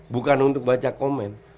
bukan untuk baca komen